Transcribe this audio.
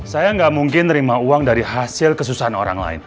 saya nggak mungkin terima uang dari hasil kesusahan orang lain